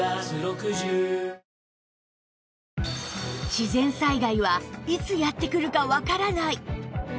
自然災害はいつやって来るかわからない